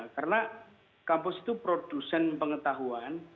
karena kampus itu produsen pengetahuan